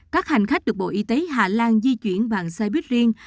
các hành khách được bộ y tế hà lan di chuyển bằng xe buýt riêng